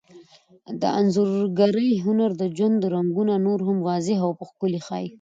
د انځورګرۍ هنر د ژوند رنګونه نور هم واضح او ښکلي ښيي.